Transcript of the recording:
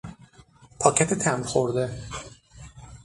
پاکت تمبر خورده